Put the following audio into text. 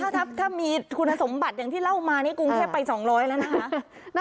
ถ้ามีคุณสมบัติอย่างที่เล่ามานี่กรุงเทพไป๒๐๐แล้วนะคะ